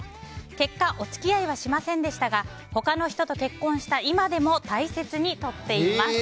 結果お付き合いはしませんでしたが他の人と結婚した今でも大切にとっています。